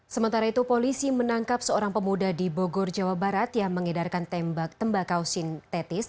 sementara itu polisi menangkap seorang pemuda di bogor jawa barat yang mengedarkan tembakau sintetis